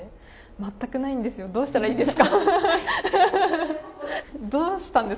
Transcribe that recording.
全くないんですよ、どうしたらいいですか。